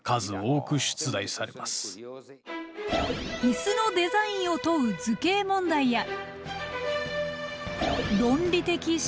イスのデザインを問う図形問題や。